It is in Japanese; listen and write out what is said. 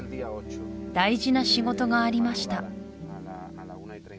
大事な仕事がありました